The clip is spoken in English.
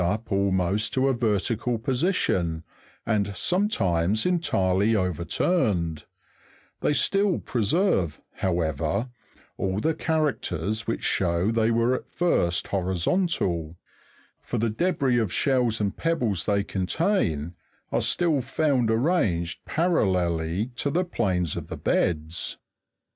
up almost to a vertical position, and sometimes entirely overturned ; they stilJ preserve, however, all the characters which show they were at first horizontal, for the debris of shells and pebbles they contain are still found arranged parallelly to the planes of the beds.